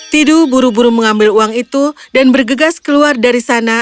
tidu buru buru mengambil uang itu dan bergegas keluar dari sana